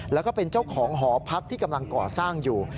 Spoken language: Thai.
แล้วก็เป็นเจ้าของหอพักที่กำลังก่อสร้างอยู่